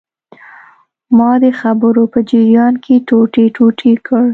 ما د خبرو په جریان کې ټوټې ټوټې کړ.